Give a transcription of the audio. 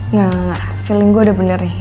engga engga feeling gue udah bener nih